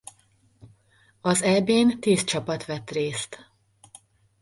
Az Eb-n tíz csapat vett részt.